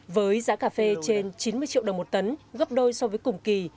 với giá cà phê trên chín mươi triệu đồng một tấn gấp đôi so với cùng kỳ